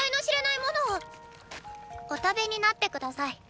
お食べになって下さい。